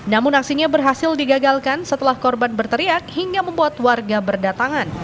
namun aksinya berhasil digagalkan setelah korban berteriak hingga membuat warga berdatangan